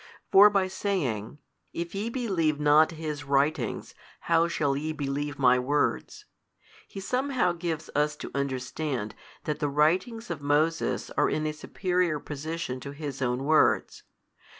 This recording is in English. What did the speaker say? For by saying, If ye believe not Ms writings, how shall ye believe My Words, He somehow gives us to understand that the writings of Moses are in a superior position to His Own words.